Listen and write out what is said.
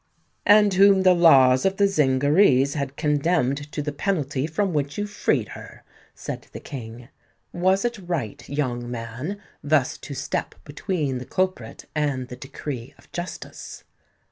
"And whom the laws of the Zingarees had condemned to the penalty from which you freed her," said the King. "Was it right, young man, thus to step between the culprit and the decree of justice?"